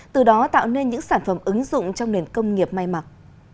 từ đó tạo nên những sản phẩm ứng dụng trong nền công nghiệp may mặc